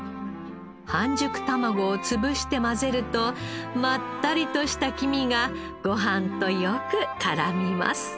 半熟卵を潰して混ぜるとまったりとした黄身がごはんとよく絡みます。